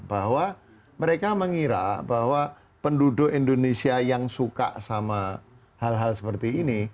bahwa mereka mengira bahwa penduduk indonesia yang suka sama hal hal seperti ini